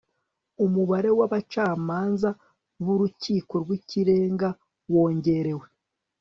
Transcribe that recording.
umubare w abacamanza b urukiko rw ikirenga wongerewe